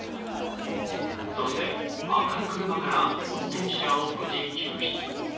そして赤い車から運転手らを無事救出。